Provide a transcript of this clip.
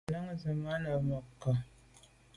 Ngelan ze me na’ mbe mônke’.